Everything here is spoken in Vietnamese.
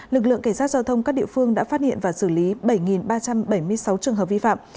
lực lượng cảnh sát giao thông các địa phương đã phát hiện và xử lý bảy ba trăm bảy mươi sáu trường hợp vi phạm